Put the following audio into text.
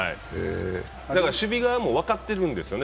だから守備側も分かってるんですよね